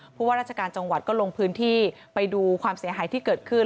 ว่าราชการจังหวัดก็ลงพื้นที่ไปดูความเสียหายที่เกิดขึ้น